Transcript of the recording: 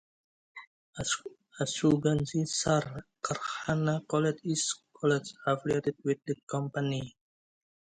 Ashuganj Sar Karkhana College is college affiliated with the company.